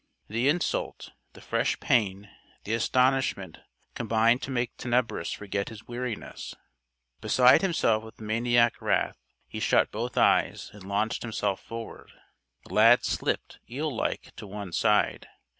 The insult, the fresh pain, the astonishment combined to make Tenebris forget his weariness. Beside himself with maniac wrath, he shut both eyes and launched himself forward. Lad slipped, eel like, to one side.